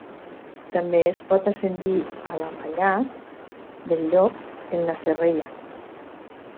També es pot ascendir a la Mallà del Llop en la Serrella.